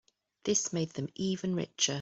This made them even richer.